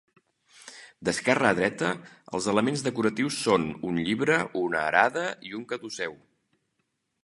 D’esquerra a dreta els elements decoratius són un llibre, una arada i un caduceu.